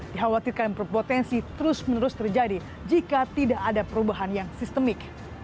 dikhawatirkan berpotensi terus menerus terjadi jika tidak ada perubahan yang sistemik